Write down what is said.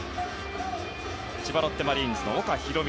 千葉ロッテマリーンズの岡大海。